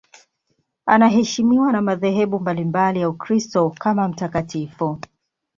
Anaheshimiwa na madhehebu mbalimbali ya Ukristo kama mtakatifu.